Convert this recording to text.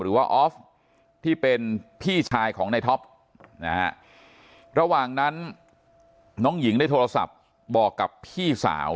ออฟที่เป็นพี่ชายของในท็อปนะฮะระหว่างนั้นน้องหญิงได้โทรศัพท์บอกกับพี่สาว